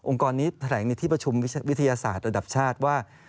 กรนี้แถลงในที่ประชุมวิทยาศาสตร์ระดับชาติว่า